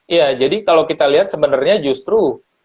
ya jadi kalau kita lihat sebenarnya justru